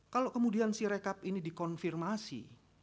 kalau kemudian sirecap ini dikonfirmasi